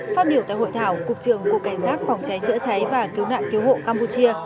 phát biểu tại hội thảo cục trưởng cục cảnh sát phòng cháy chữa cháy và cứu nạn cứu hộ campuchia